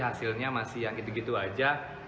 hasilnya masih yang gitu gitu aja